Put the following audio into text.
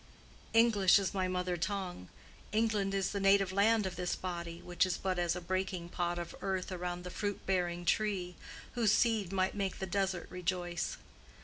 English is my mother tongue, England is the native land of this body, which is but as a breaking pot of earth around the fruit bearing tree, whose seed might make the desert rejoice.